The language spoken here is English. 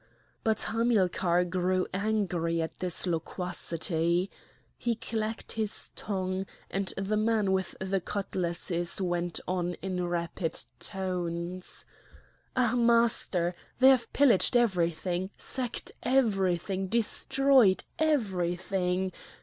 But Hamilcar grew angry at this loquacity. He clacked his tongue, and the man with the cutlasses went on in rapid tones: "Ah, Master! they have pillaged everything! sacked everything! destroyed everything!